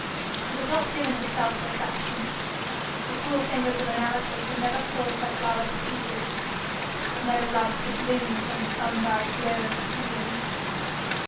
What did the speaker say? She was not given to self dissection. The cruel fingers of analysis had never pulled her flower to pieces, had never rubbed the bloom from the sun dyed glow of her feelings.